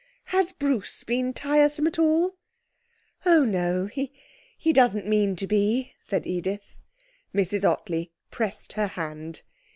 Has Bruce been tiresome at all?' 'Oh, no, he doesn't mean to be,' said Edith. Mrs Ottley pressed her hand.